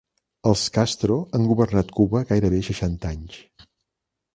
Els Castro han governat Cuba gairebé seixanta anys